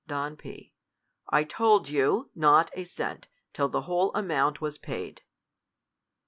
Don P. I told you, not a cent, till the whole amount y was paid.